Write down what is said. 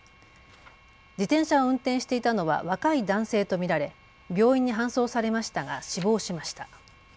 自転車を運転していたのは若い男性と見られ病院に搬送されましたが死亡しました。